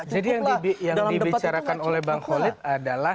jadi yang dibicarakan oleh bang holid adalah